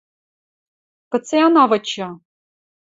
– Кыце ана вычы?